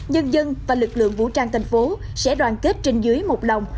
nhân dân và lực lượng vũ trang tp hcm sẽ đoàn kết trên dưới một lòng